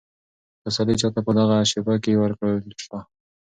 تسلي چا ته په دغه شېبه کې ورکړل شوه؟